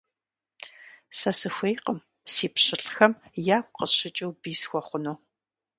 Сэ сыхуейкъым си пщылӀхэм ягу къысщыкӀыу бий схуэхъуну.